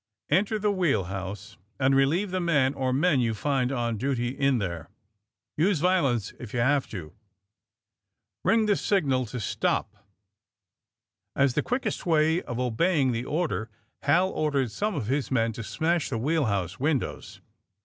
Enter the wheel house and relieve the man or men you find on duty in there. Use violence if you have to. Eing the signal to stop." As the quickest way of obeying the order Hal ordered some of his men to smash the wheel house windows.